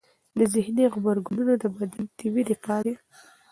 ذهني غبرګونونه د بدن طبیعي دفاع دی.